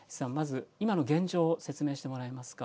今の現状を説明してもらえますか。